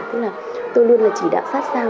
tức là tôi luôn là chỉ đạo sát sao